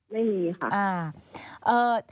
ไม่มีค่ะ